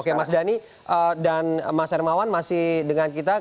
oke mas dhani dan mas hermawan masih dengan kita